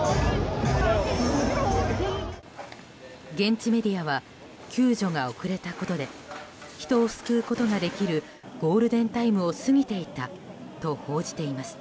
現地メディアは救助が遅れたことで人を救うことができるゴールデンタイムを過ぎていたと報じています。